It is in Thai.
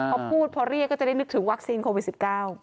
พอพูดพอเรียกก็จะได้นึกถึงวัคซีนโควิด๑๙